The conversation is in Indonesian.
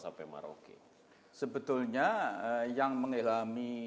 sampai maroke sebetulnya yang mengalami